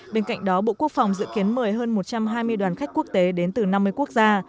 bên cạnh đó bộ quốc phòng dự kiến mời hơn một trăm hai mươi đoàn khách quốc tế đến từ năm mươi quốc gia